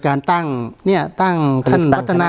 การแสดงความคิดเห็น